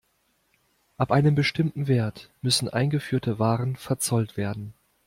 Ab einem bestimmten Wert müssen eingeführte Waren verzollt werden.